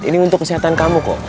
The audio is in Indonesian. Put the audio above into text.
ini untuk kesehatan kamu kok